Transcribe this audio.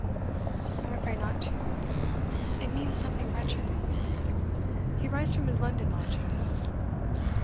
'I'm afraid not, too. It means something wretched. He writes from his London lodgings.